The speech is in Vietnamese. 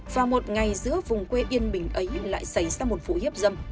và một ngày giữa vùng quê yên bình ấy lại xảy ra một vụ hiếp dâm